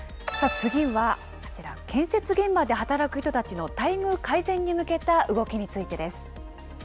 次は、こちら、建設現場で働く人たちの待遇改善に向けた動きについてです。